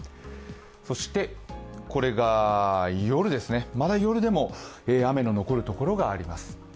そしてこれが夜ですね、まだ夜でも雨の残る所があります。